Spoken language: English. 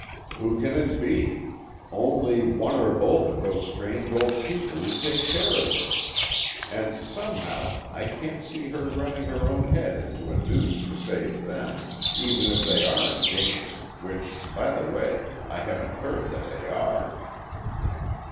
"Who can it be? Only one or both of those strange old people who take care of her. And somehow, I can't see her running her own head into a noose to save them, even if they are in danger, which, by the way, I haven't heard that they are."